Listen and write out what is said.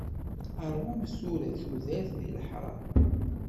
Rwumt tura tudert di laḥram.